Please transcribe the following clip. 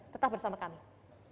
tetap bersama kami